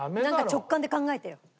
なんか直感で考えてよ。